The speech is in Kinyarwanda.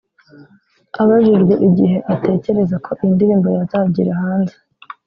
Abajijwe igihe atekereza ko iyi ndirimbo yazagira hanze